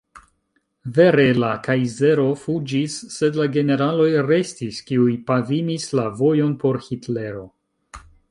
Vere, la kajzero fuĝis sed la generaloj restis, kiuj pavimis la vojon por Hitlero.